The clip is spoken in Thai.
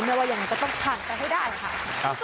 แต่ว่าอย่างนี้ก็ต้องพันธุ์ให้ได้นะคะ